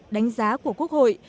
đánh giá của quốc hội